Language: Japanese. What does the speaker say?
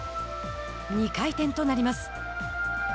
２回転となります。